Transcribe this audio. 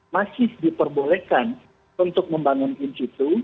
masih diperbolehkan untuk membangun institu